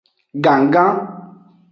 Gannggan.